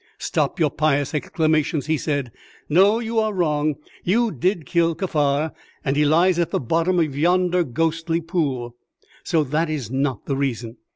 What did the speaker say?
"Stop your pious exclamations," he said. "No, you are wrong. You did kill Kaffar, and he lies at the bottom of yonder ghostly pool; so that is not the reason.